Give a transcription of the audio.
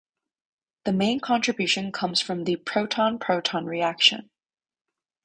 The main contribution comes from the proton-proton reaction.